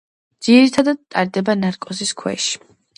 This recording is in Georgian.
ძირითადად, ტარდება ნარკოზის ქვეშ.